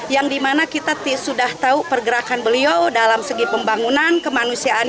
yang di mana kita terima kasih